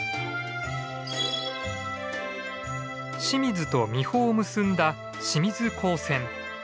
清水と三保を結んだ清水港線。